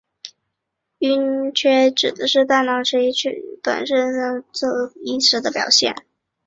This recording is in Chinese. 晕厥指的是大脑一时性缺血而导致短时间内丧失自主行动意识的表现。